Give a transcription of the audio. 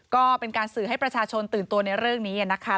ก็เป็นการสื่อให้ประชาชนตื่นตัวในเรื่องนี้นะคะ